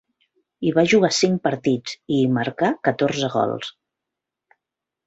Hi va jugar cinc partits i hi marcà catorze gols.